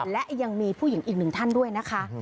และยังมีผู้หญิงอีกหนึ่งท่านด้วยนะคะ